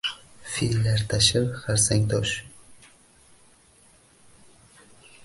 Fillar tashir xarsangtosh.